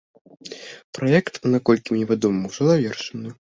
Праект, наколькі мне вядома, ужо завершаны.